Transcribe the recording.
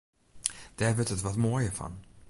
Dêr wurdt it wat moaier fan.